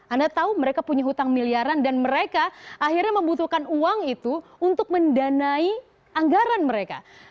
anda tahu mereka punya hutang miliaran dan mereka akhirnya membutuhkan uang itu untuk mendanai anggaran mereka